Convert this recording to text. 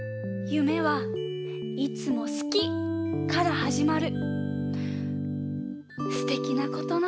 「夢はいつも好きから始まる」？